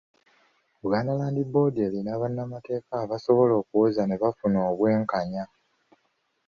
Buganda Land Board erina bannamateeka abasobola okwewozaako ne bafuna obwenkanya.